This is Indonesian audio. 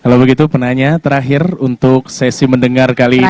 kalau begitu penanya terakhir untuk sesi mendengar kali ini